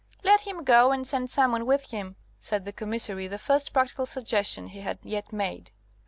"Let him go, and send some one with him," said the Commissary, the first practical suggestion he had yet made.